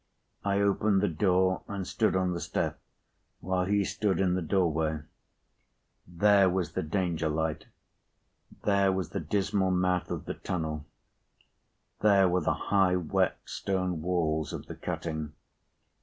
I opened the door, and stood on the step, while he stood in the doorway. There, was the Danger light. There, was the dismal mouth of the tunnel. There, were the high wet stone walls of the cutting.